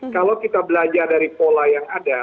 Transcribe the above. kalau kita belajar dari pola yang ada